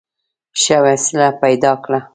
ښه وسیله پیدا کړه.